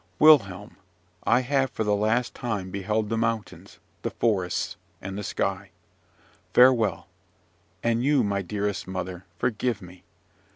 "Wilhelm, I have for the last time beheld the mountains, the forests, and the sky. Farewell! And you, my dearest mother, forgive me!